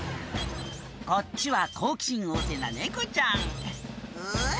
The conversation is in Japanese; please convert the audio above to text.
「こっちは好奇心旺盛な猫ちゃん」「うぅ？